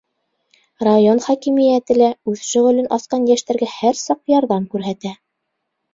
Район хакимиәте лә үҙ шөғөлөн асҡан йәштәргә һәр саҡ ярҙам күрһәтә.